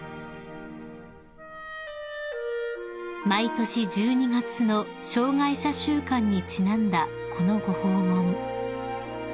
［毎年１２月の障害者週間にちなんだこのご訪問］